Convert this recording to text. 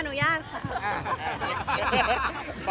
อนุญาตไหมครับ